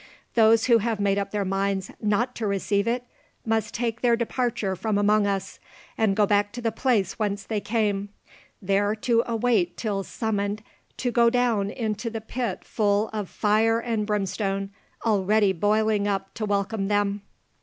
Those who have made up their minds not to receive it must take their departure from among us, and go back to the place whence they came, there to await till summoned to go down into the pit full of fire and brimstone, already boiling up to welcome them!"